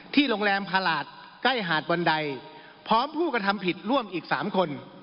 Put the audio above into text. โรงแรมพาหลาดใกล้หาดบันไดพร้อมผู้กระทำผิดร่วมอีก๓คน